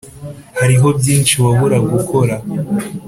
hariho byinshi wabura gukora.